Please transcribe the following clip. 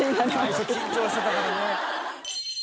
最初緊張してたからね